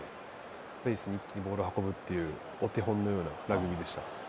スペースに一気にボールを運ぶお手本のようなラグビーでした。